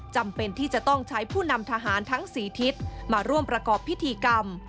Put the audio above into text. จำเป็นที่จะต้องใช้ผู้นำทหารทั้ง๔ทิศมาร่วมประกอบพิธีกรรม